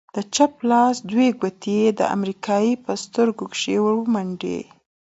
د چپ لاس دوې گوتې يې د امريکايي په سترگو کښې ورومنډې.